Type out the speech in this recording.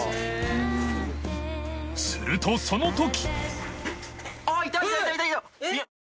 するとその時！